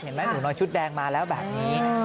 เห็นไหมหนูนอยชุดแดงมาแล้วแบบนี้